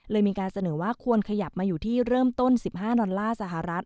มีการเสนอว่าควรขยับมาอยู่ที่เริ่มต้น๑๕ดอลลาร์สหรัฐ